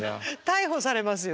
逮捕されますよ